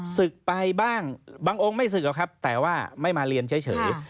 ศึกไปบ้างบางองค์ไม่ศึกหรอกครับแต่ว่าไม่มาเรียนเฉย